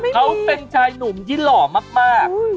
เขาเป็นชายหนุ่มที่หล่อมาก